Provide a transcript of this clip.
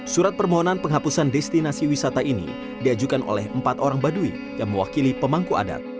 surat permohonan penghapusan destinasi wisata ini diajukan oleh empat orang baduy yang mewakili pemangku adat